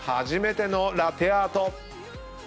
初めてのラテアート。